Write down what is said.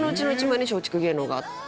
松竹芸能があって。